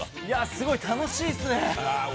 すごい楽しいっすね。